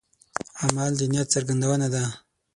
عمل د نیت څرګندونه ده.